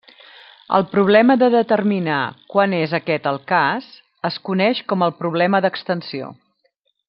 El problema de determinar quan és aquest el cas es coneix com el problema d'extensió.